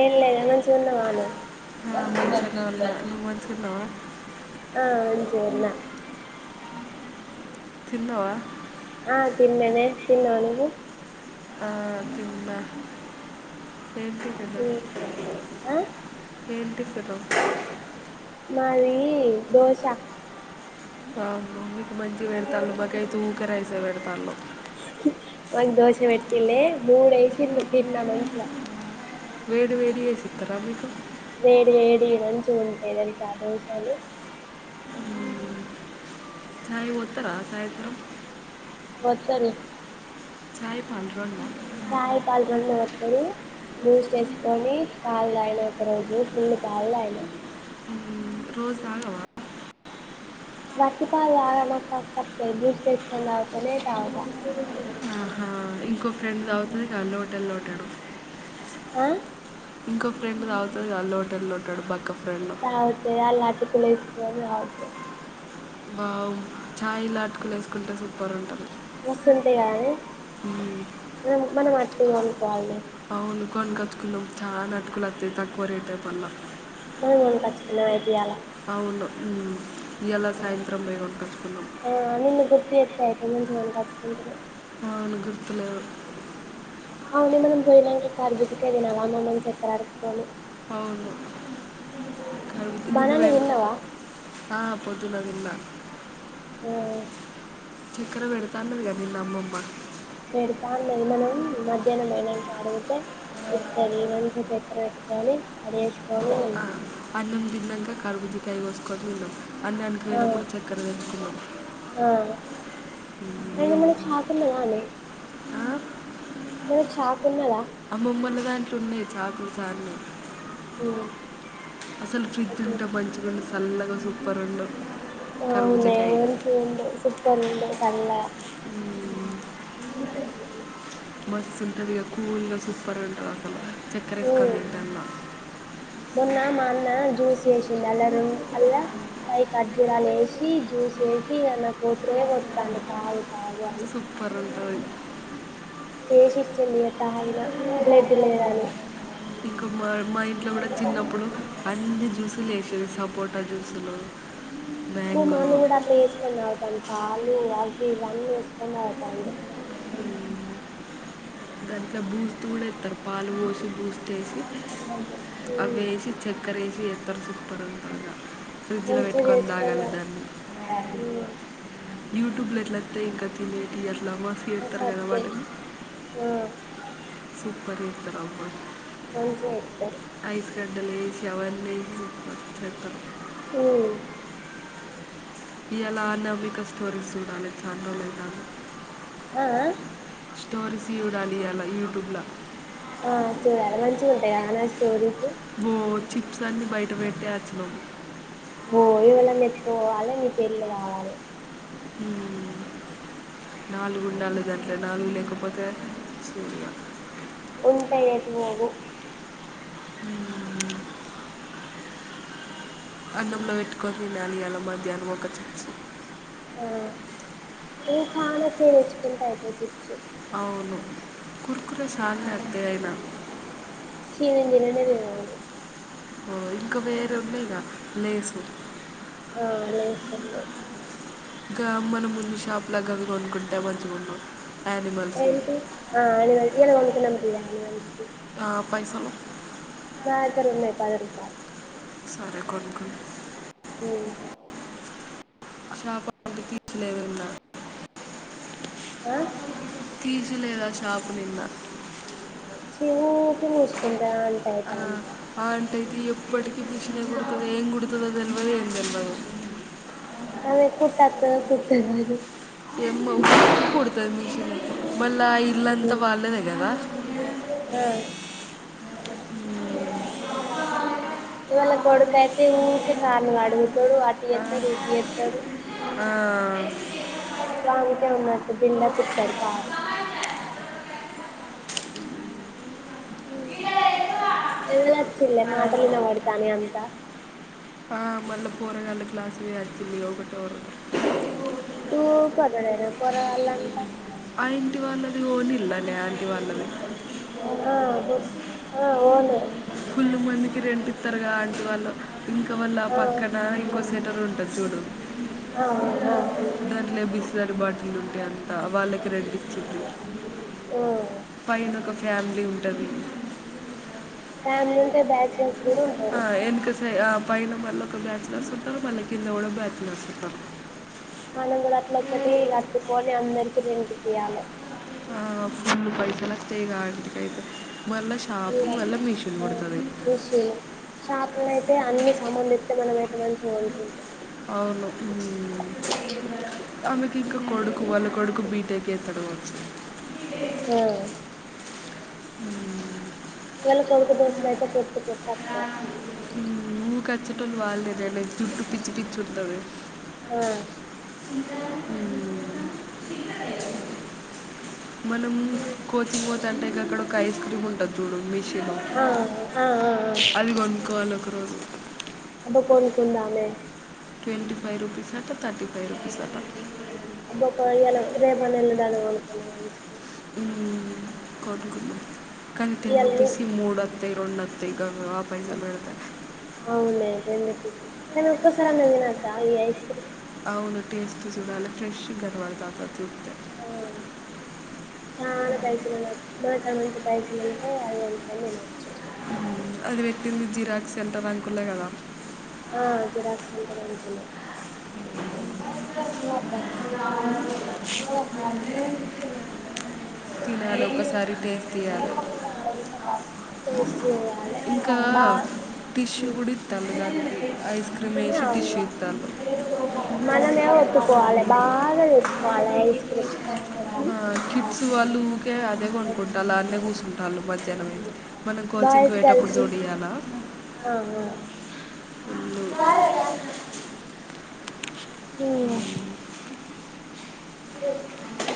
ఏ లేదమ చన్న వాల అ మషాలళ్ మంచికున్నా ఆ మంచిగా ఉన్నా చిన్నవా ఆ తిన్ననే తిన్నావా నువ్వు ఆ తిన్న ఏంటికద ఆ ఏంటికద మాది దోశ ఓహో మంచి వెేడతా బగాయితుూ క సేవెడతాలో మగ దోశ పెట్టిలే మూడఐదు తిన్నా మంచిగా వేడి వేడి ఏ చిత్రరా మీకు వేడి వేడి మంచిగా ఉంటేదని చ దో చాలు చాయి ఓతార చాత్ర వత్తడు చాయ్ పాలు రెండా చాయ్ పాలు రెండు వత్తడు బూస్ట్ వేసుకొని పాలు దగినా రోజు ఫుల్ నళ అయిన రోజు తాగవ వాటిపాలు తాగ నాకు కక్కువస్తది బూస్ట్ వేసుకుని తాగితేనే తాగుతా ఆహా ఇంకో ఫ్రెండ్ తాగుత్తది గా లోటాలు లోటాలు ఆ ఇంకొక ఫ్రెండ్ తగుతది గా లో లోటడు లోటడూ బా తగ్గితే అలా అటుకులు యేసుని తాగుతా వావ్ ఛాయల అటుకులు వేసుకుంటే సూపర్ ఉంటుంది మస్త్ ఉంటది కానీ మనం మనం అ [unintelligible] అవును కొనుకోచుకుండం చాలా అటుకులు తక్కువ రేట్ ఐ మల్ల పోయి కొనుకోచు కుండం అయితే ఇయ్యాల మ్మ్ ఆ నిన్న గుప్పి ఎత్తయతే ముంచి మనకా ఉంటది అవును గుర్తులేదు అవున మనం పోయినాక కర్బుజ కాయ తినాలా అమ్మమను చక్కర ఆడుకుని అవును కరుబుజ్జ తిన్న బనానా తిన్నవా ఆ పో పోదున్న తిన్న ఆ చక్కర పెడుతాన్నదిగా అమ్మమ్మ పెడతా అన్నది మనం మధ్యాహ్నం పోయినక అడిగితే ఎంది మంచిగా చక్కర పెట్టుకొని అడిగేసుకొని అన్నం తిన్నాక కరుబుజ్జకాయ కోసుకొని తిన్నాం అన్ననికి ఆ పోయినప్పుడు చక్కర తెచ్చుకుందాం ఆ అయినా మ్ మనకు షాక్ ఆ లేదు చాక్ అమ్మమ్మల దాంట్లో ఉన్నాయి చాకులు చాలున్నాయ్ అ అసలు ఫ్రిడ్జ్ ఉంటే మంచిగా ఉండు చల్లగా సూపర్ ఉండు ఆ అవునే కర్బూజకాయ మంచిగ ఉండు సూపర్ ఉండు చల్ల మస్తు ఉంటుందే కూల్గా సూపర్ ఉంటది అసలు చక్కర ఉమ్ ఏసుకూని తింటున్న నిన్న జ్యూస్ వేసింది అల్లా రెం అల్లా ఫైవ్ కర్జూరాలు వేసి జ్యూస్ వేసి అన్న కోసల పందుతాం తాగు తాగాను సూపర్ ఉంటుంది చేసిచ్చింది తాగిన బ్లెడ్ లేదు అని ఇంక మార్ మై ఇంట్ల కూడా చిన్నప్పుడు అన్ని జ్యూస్లు వేసేసాం సపోట జ్యూసులు మ్యాంగో మానాన్న కూడా అట్లా ఏసుకొని తాగుతాండు పా అలు అపిల్ అన్నీ ఏసుకొని తాగుతాండు దాంట్లో బూస్ట్ కూడా ఎత్తరు పాలు పోసి బూస్ట్ ఏసి అవి ఉమ్ ఏసి చక్కర ఏసి చేతరు సు పరంపర ఫ్రిడ్జ్ లో మంచిగా పెట్టుకొని తాగాలి చేసుకొని దాన్ని తాగు ఉమ్ యూట్యూబ్ లో ఎట్లొత్తయి ఇంకా [unintelligible] నమాజ్ మస్త్ చేతరు కదా అత్తయ్ వాటిని ఆ సూపర్ ఏతరబ్బా మంచిగ ఏత్తరు ఐస్ గడ్డలేసి అవన్నీ వేసి చేత్తరు హ్మ్ ఇయలా నబిక స్టోరీస్ చూడాలి చానారోజులయితాంది అ స్టోరీస్ చూడాలియాల యూట్యూబ్లో స్తుంటయనే స్టోరీస్ బ్యాచ్లు ఓయ్ ఎవలన్నా ఎత్తుకపోవాలే నీ పెళ్లి కావాలే హ్మ్ నాలుగుండాలి గట్ల నాలుగు లేకపోతే చూడిగా ఉంటాయి ఎటుపోవు అన్నంలో వెట్టుకొని తినాలి అలం మధ్యాహ్నం ఒక చిప్స్ ఆ ఇవి చానా చేయిర్చకుంటయ్ ఇగ చిప్స్ అవును కుర్ ఒక్కసార్లి అత్త అయినా ఛీ నేను తిననే తిన అవి ఓ ఇంకా వేరున్నయిగా లేసు ఆ అనేే సర ఇగ గా మన మున్ని షాప్లా గవి కొనుకుంటే మంచిగున్ను ఏమిటి ఆ అనిమల్ ఇయాల కొనుకునం ఇ అనిమల్స్వి ఆ పైసలో ఆ దగర ఉన్నయి పద రూపాలు సారే కొనుకు ఆ షా చలవిరంద [inaudible] ఆ తీసిలేద షపు నిన్నా క వస్తుంది ఆ ఆ అంటేది ఎప్పటికీ భష కొతుది ఏం కొతు ఎది ఎం నమెే కుట్టతద కుట్టద అ ఏ మ కొడుత మీ [unintelligible] మళ్ళ ఇల్ంత వాళ్ళదే కదా ఇవళ కొడుకైతే ఊకే కను అడుగుతాడు ఆటి ఎతాడు ఆ, ఇటి ఎతాడు ఆ వాంకే ఉన్నట్టు బిలడపు ఇతడు కారు ఎవాళ వచ్చల్ మాటలు న వాడతానేే అంతా నాలు క్లాస్ే అచ్చిదింది యోగా ఉ తూ పరడేనా పోరగళు అంత ఆయింటి వాళ్ళది ఓనిలా నే ఆంటి వాళ్ళది ఆ ఓను ఫుల్ళ మందికి రెంటు తత్తరగా అంటి వాళ్ళు ఇంకా వాళ్ళ ఆ పక్కన వళు ఇంకో సెటర్ ఉంటుంది చూడు ఆ ఆ దాంట్లో బిస్ినర్ బాటిలు ఉంటాయి అంత వాళ్ళకి రెండటికిచ్చది ఆ పైన ఒక ఫ్యామిలీ ఉంటుంది ఫ్యామిలీ ఉంట బ్యాచలర్స్ ఆ ఎనకస పైన మళ్ళీ ఒక బ్యాచలర్స్ ఉంటారు మళ్ళ కింద కూడా బ్యాచులర్స్ ఉంటారు మనం కూడా అట్ల ఒక్కటి కట్టుకోని అందరికి రెంటికి ఇయాలే ఆ ఫుల్‌ పైసలు వస్తాయి గా అలితికి అయితే మల్లా ఇల్లు షాపింగ్ మల్లా మిషని కుడ్తది మాల్ అయితే అన్ని సంబంధిస్తే మనం అయితే మంచిగా కొనుకుంటామ అవును ఉమ్ అమెకి ఇంకా కొడుకు వాళ్ళ కొడుకు బీటేక్ చేతడు ఆ ఉమ్ ఇవాళ కొడుకు దోశలు అయితే కొట్టు కొట్ ఉమ్, ఊరికి వచ్చేటోళ్ళు వాళ్ళే రేపు జుట్టు పిచ్చి పిచ్చి ఉంటుంది ఆ మనం కోతి పోతుంటే ఇంక అక్కడ ఒక ఐస్ క్రీమ్ ఉంటుంది చూడు మిషిను ఆ ఆ ఆ అది కొనుక్కోవాలి ఒక రోజు కొనుకుధామే ట్వెంటీ ఫైవ్ రూపీస్ అంటా థర్టీ ఫైవ్ రుపీస్ అంటా రేపైనా ఎల్లుండైనా కొనుక్కుందాం ఐస్ క్రీమ్ ఉమ్ కోట్కున్నా కనీ టెన్ ఇయాల్నే రూపీస్ కి మూడు వస్తాయి రెండు తా పైసల్ పెడతయి అవునే టెన్ కానీ ఒక్కసారి నవినాకా ఈ ఐస్ క్రీమ్ అవును టేస్ట్ సుడాలే ఫ్రెష్ గర్వాల్ టాటా ఆ చాలా పైసలు ఉచ్చ మనక్కడ మంచి పైసలు ఉంటే అది కొనుకోని తిన్నోచు ఉమ్ అది పెట్టింది జిరాక్స్ సెంటర్ అంకుల్ల్లో కదా ఆ జిరాక్స్ సెంటర్ అంకుల్ల్లో తినాలి ఒకసారి టేస్ట్ చేయాలి టేస్ట్ చేయలే ఇంకా బాగ టిష్యూ కూడా ఇస్తారు దానికి ఐస్ క్రీమ్ వేసి టిష్యూ అవా ఇస్తారు మనమే వోచిపోవాలె బాగా కొవాలా ఐస్‌క్రీమ్ ఆ కిట్స్ వాళ్ళుకే అదే కొనుక్కుంటారు అన్నే కూర్చుంటారు మధ్యాహ్నం మనం కోచింగ్ బాయ్స్ పోయేటప్పుడు గర్ల్స్ చూడయాల సార అధి రాష్లె ఉమ్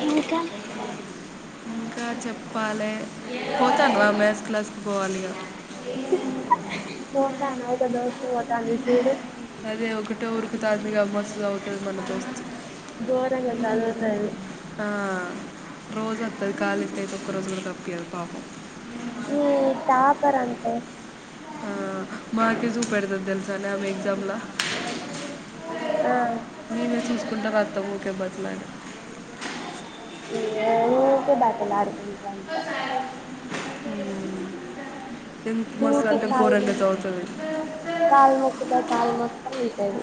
ఇంకా ఇంకా చెప్పాలి పోతాను ఆ మ్యాథ్స్ క్లాస్కి పోవాలిగా కా నవ్వ్తా నవ్వ్తా పోతుంది చూడు అదే ఒకటే ఊరుకుంటుంది కదా మస్త్ చదుతాది మనస్తు ఘోరంగా చదువుతది ఆ రోజు వస్తుంది కాలు ఇయితే ఒక్క రోజు కూడా త పియల్పకు మీ టాపర్ అంటే ఆ మాకి సూప్ పెడతారు తెల్సా [unintelligible] ఆ మేమే చూసుకుంటా వత్తా ఊకే బట్లని ఇ ఊకే భాతిమలాడు కుంటాండు అంత ఎంత మస్తు ఊకే అంటే కాల్ ఘోరంగా నొక్కు చదువుతుంది కాల్ నొక్కుతా కాల్ నొక్కుతా ఉంటాది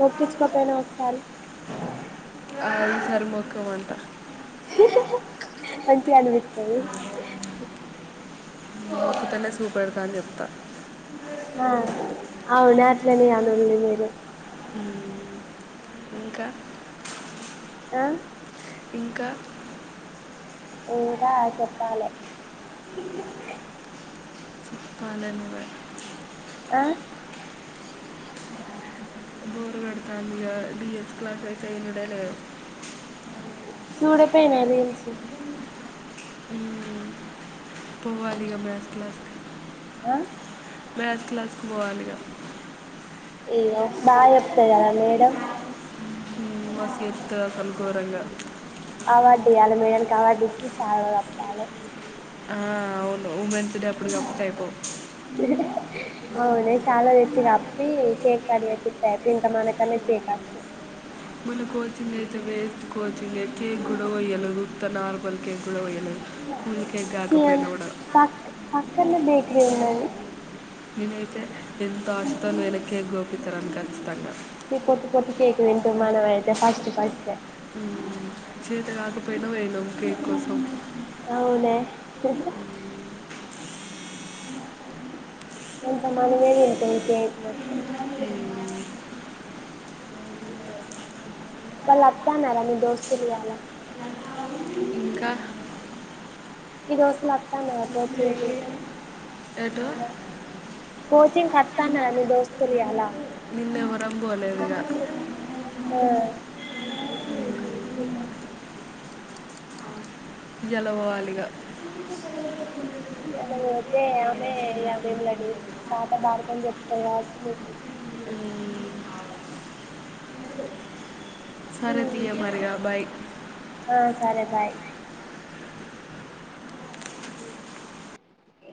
మొక్కించుకోపోయినా ఒకసారి ఆ, ఈసారి మొక్కం అంట మంచిగా అనిపిత్తది మొక్కుతోనే చూపెడతా అని చెప్తా ఆ అవు నాట్లనే అనుని మీరు ఉమ్ ఇంకా ఆ ఇంకా ఇంకా చెప్పాలి పాలనగా ఆ బోరు కొడతంది గా డిఎస్ క్లాస్ ఐతే ఉందో లేదో సూడే పేనా రీల్స్ హ్మ్మ్ పోవాలిగా మ్యాస్ క్లాస్ కి ఆ మ్యాస్ క్లాస్ కి పోవాలిగా అయ్యో బాగాచేప్తది గా మేడం మ్మ్. మస్తు చెప్తుంది అసలు ఘోరంగా అవార్డియాల మేడానికి అవార్డు శాల్వా కప్పాలే ల ఆ అవును ఉమెన్స్ డే అప్పుడు కాకపోతే అయిపోవు అవునే శాల్వా తెచ్చి కాప్పా పి కేక్ కడ్ చెపిత్తా దీని కన్నా మంచి కేక్ అచ్చు మన కోచింగ్ అయితే వేస్ట్ కోచింగ్ కేక్ గూడా కోయలేదు ఉత్త మనం కేక్ గూడా కొయ్యలే కూల్ కేక్ చి కాకపోయినాకూడ పక్ పక్కనే బేకరీ ఉన్నది నేనైతే ఎంతో ఆశతో పోయిన కేక్ గోపితారనీ ఖచ్చితంగా తింటూర్ మనంయితే ఫస్ట్ ఫస్ట్ ఉహ్ చేత కాదు అవునే [inaudible] కొంచం మనమే తింటాం కేక్ మొత్తం మ్మ్. వాళ్ళు వత్తన్నారా మీ దోస్తులు ఇయ్యాలా ఇంకా నీ దోస్తులు అత్తాన్నరా కోచింగ్ కి ఏటు కోచింగ్ కత్తన్నార మీ దోస్తులు ఇయ్యాలా నేవరం పోలేదిగా అహ్ ఇయ్యాలబోవాలిగా ఇయ్యాల పోతే ఆమె ఇగ మిమ్ముల్ని చట భారతం చెప్తాది కావచ్చు మీకు సరే తీయ మరిగా బాయ్ ఆ సరే బాయ్